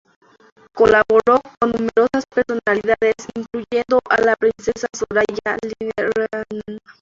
Colaboró con numerosas personalidades, incluyendo a la Princesa Soraya, Line Renaud y Marina Picasso.